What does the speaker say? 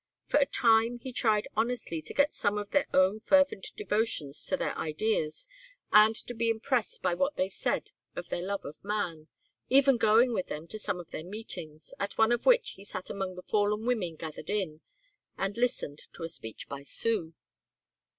For a time he tried honestly to get some of their own fervent devotions to their ideas and to be impressed by what they said of their love of man, even going with them to some of their meetings, at one of which he sat among the fallen women gathered in, and listened to a speech by Sue.